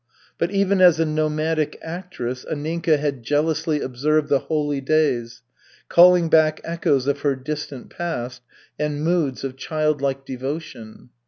But even as a nomadic actress, Anninka had jealously observed the "holy days," calling back echoes of her distant past and moods of childlike devotion.